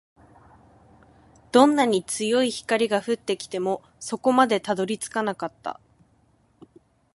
どんなに強い光が降ってきても、底までたどり着かなかった